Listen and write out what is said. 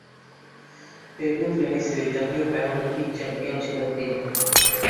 Table টেনিসে জাতীয় Paralympic champion ছিলেন তিনি।